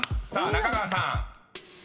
［中川さん？］